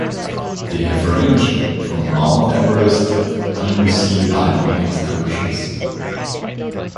They have ranged from Mount Everest to undersea diving excursions.